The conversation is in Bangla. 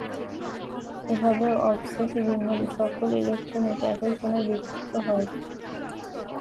এভাবে অফসেটে, বিমের সকল ইলেকট্রন একই কোণে বিক্ষেপিত হয়।